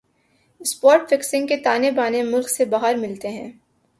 spot fixing کے تانے بانے ملک سے باہر ملتےہیں